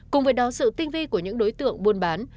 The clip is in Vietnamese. cùng với đó sự tinh vi của những đối tượng buôn bán